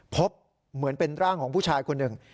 พบเหมือนเป็นร่างของผู้ชายคนหนึ่ง